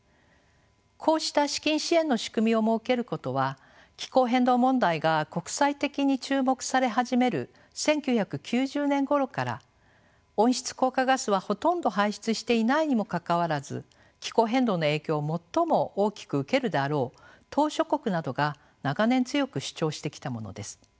こうした資金支援の仕組みを設けることは気候変動問題が国際的に注目され始める１９９０年ごろから温室効果ガスはほとんど排出していないにもかかわらず気候変動の影響を最も大きく受けるであろう島しょ国などが長年強く主張してきたものです。